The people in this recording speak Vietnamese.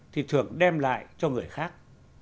thì thường đem lại cho người khác